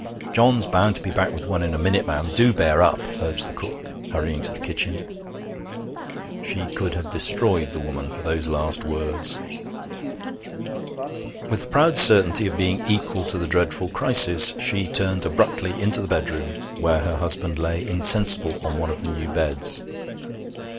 'John's bound to be back with one in a minute, ma'am. Do bear up,' urged the cook, hurrying to the kitchen. She could have destroyed the woman for those last words. With the proud certainty of being equal to the dreadful crisis, she turned abruptly into the bedroom, where her husband lay insensible on one of the new beds.